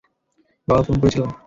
বাবা ফোন করেছিলো।